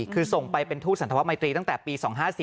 คือส่งไปเป็นทูตสันธวมัยตรีตั้งแต่ปี๒๕๔